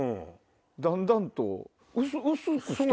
だんだんと薄くしたん？